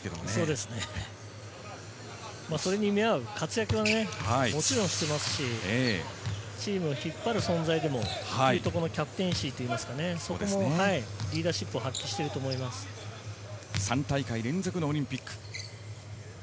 それに見合う活躍をしてますし、チームを引っ張る存在でも、キャプテンシーというか、リーダーシップを発揮していると思いま３大会連続のオリンピック。